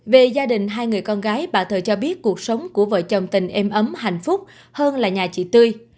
về gia đình hai người con gái bà thời cho biết cuộc sống của vợ chồng tình êm ấm hạnh phúc hơn là nhà chị tươi